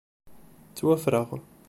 Ttwaffreɣ.